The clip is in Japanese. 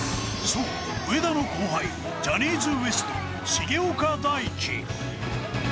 そう、上田の後輩、ジャニーズＷＥＳＴ・重岡大毅。